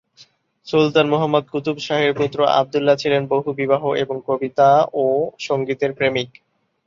সুলতান মুহাম্মদ কুতুব শাহের পুত্র আবদুল্লাহ ছিলেন বহুবিবাহ এবং কবিতা ও সংগীতের প্রেমিক।